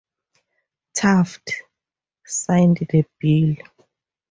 Taft signed the bill.